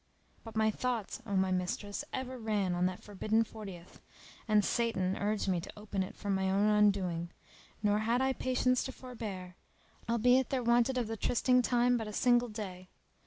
But my thoughts, O my mistress, ever ran on that forbidden fortieth[FN#296] and Satan urged me to open it for my own undoing; nor had I patience to forbear, albeit there wanted of the trysting time but a single day.